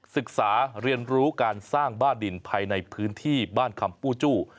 ศึกษาเรียนรู้การสร้างบ้าดินภายในพื้นที่บ้านคำปูจู้